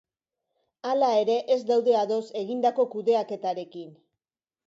Hala ere, ez daude ados egindako kudeaketarekin.